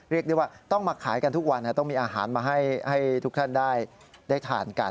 เรียกได้ว่าต้องมาขายกันทุกวันต้องมีอาหารมาให้ทุกท่านได้ทานกัน